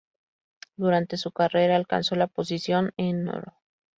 Durante su carrera alcanzó la posición Nro.